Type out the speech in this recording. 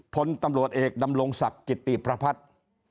ผลตำรวจเอกดำลงศักดิ์กิตตีพระพัทธิ์